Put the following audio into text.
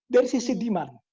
dari si demand